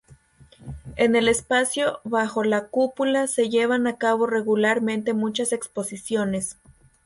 En el espacio bajo la cúpula se llevan a cabo regularmente muchas exposiciones.